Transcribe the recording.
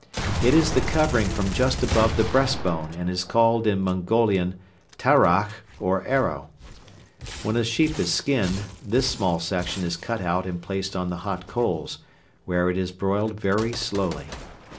It is the covering from just above the breast bone and is called in Mongolian tarach or "arrow." When a sheep is skinned, this small section is cut out and placed on the hot coals, where it is broiled very slowly.